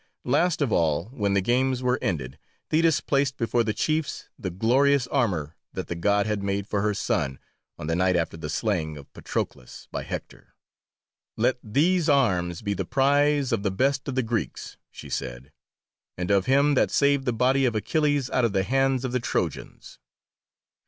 Last of all, when the games were ended, Thetis placed before the chiefs the glorious armour that the God had made for her son on the night after the slaying of Patroclus by Hector. "Let these arms be the prize of the best of the Greeks," she said, "and of him that saved the body of Achilles out of the hands of the Trojans."